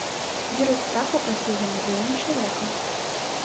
Вірус страху пасеяны вельмі шырока.